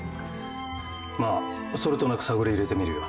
まあそれとなく探り入れてみるよ。